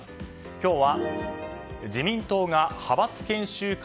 今日は自民党が派閥研修会